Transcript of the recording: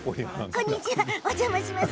こんにちは、お邪魔します。